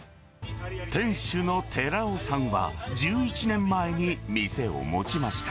店主の寺尾さんは、１１年前に店を持ちました。